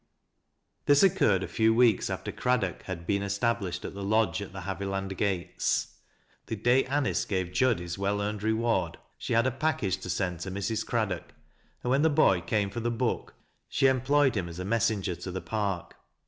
This occurred a few weeks after Craddock had beer, established at the lodge at the Haviland gates. The daj ^1 "^ce gave Jud his well earned reward, she had a packagi " 0ANNTBLE8." 159 \» send to Mrs. Craddock, and when the boy came for the book, she employed him as a messenger to the park.